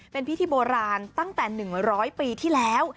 เป็นพิธีโบราณตั้งแต่๑๐๐ปีที่แล้ว